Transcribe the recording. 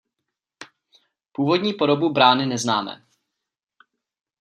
Původní podobu brány neznáme.